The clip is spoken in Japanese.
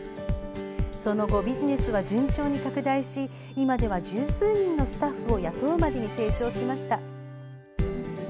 その後、ビジネスは順調に拡大し今では十数人のスタッフを雇うまでに成長しました。